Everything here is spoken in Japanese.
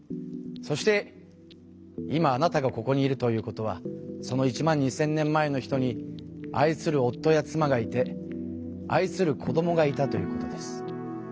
そして今あなたがここにいるということはその１万２，０００年前の人に愛する夫や妻がいて愛する子どもがいたということです。